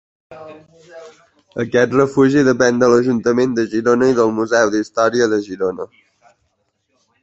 Aquest refugi depèn de l'Ajuntament de Girona i del Museu d'Història de Girona.